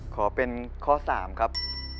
ขอเป็นข้อ๓ครับ